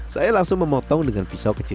saya langsung memotong dengan pisau kecil